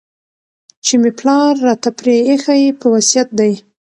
چي مي پلار راته پرې ایښی په وصیت دی